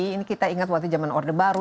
ini kita ingat waktu zaman orde baru